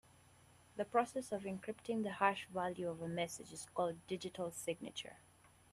The process of encrypting the hash value of a message is called digital signature.